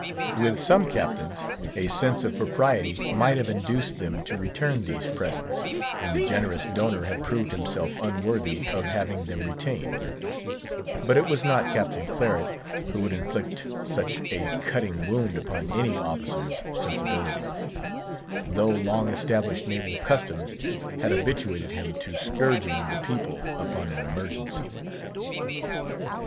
With some Captains, a sense of propriety might have induced them to return these presents, when the generous donor had proved himself unworthy of having them retained; but it was not Captain Claret who would inflict such a cutting wound upon any officer's sensibilities, though long established naval customs had habituated him to scourging the people upon an emergency.